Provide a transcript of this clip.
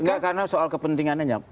enggak karena soal kepentingannya